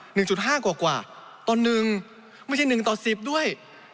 หนึ่งจุดห้ากว่ากว่าต่อหนึ่งไม่ใช่หนึ่งต่อสิบด้วย